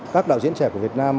các đạo diễn trẻ của việt nam